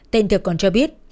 tên thực còn cho biết